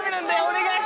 お願い。